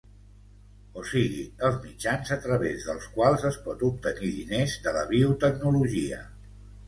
O sigui, els mitjans a través dels quals es pot obtenir diners de la biotecnologia.